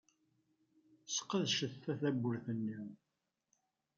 Sqedcent tadabut-nni.